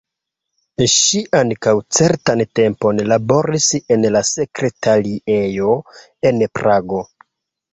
Ŝi ankaŭ certan tempon laboris en la sekretariejo en Prago.